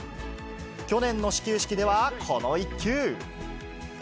去年の始球式では、この一球。